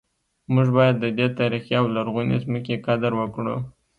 موږ باید د دې تاریخي او لرغونې ځمکې قدر وکړو